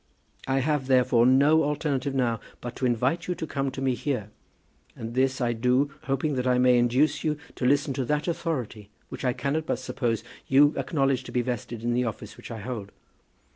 I have, therefore, no alternative now but to invite you to come to me here; and this I do, hoping that I may induce you to listen to that authority which I cannot but suppose you acknowledge to be vested in the office which I hold.